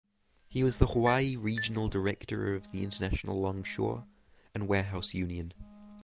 He was the Hawaii Regional Director of the International Longshore and Warehouse Union.